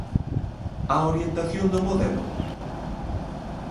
¿A orientación do modelo?